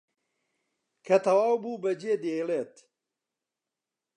کە تەواو بوو بەجێ دێڵێت